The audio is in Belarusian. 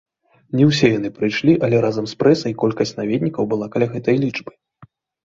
Не ўсе яны прыйшлі, але разам з прэсай колькасць наведнікаў была каля гэтай лічбы.